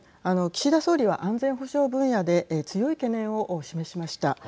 岸田総理は安全保障分野で強い懸念を示しました。